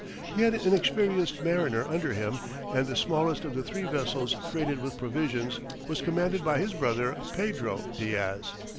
He had an experienced mariner under him, and the smallest of the three vessels freighted with provisions, was commanded by his brother Pedro Diaz.